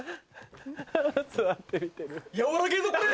座ってみてる。